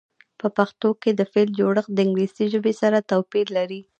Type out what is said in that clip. په پښتو کې د فعل جوړښت د انګلیسي ژبې سره توپیر لري.